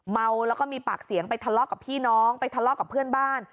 เมาแล้วก็มีปากเสียงไปทะเลาะกับพี่น้องไปทะเลาะกับเพื่อนบ้าน